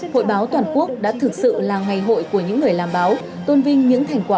hội báo toàn quốc đã thực sự là ngày hội của những người làm báo tôn vinh những thành quả